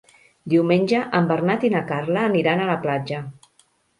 Diumenge en Bernat i na Carla aniran a la platja.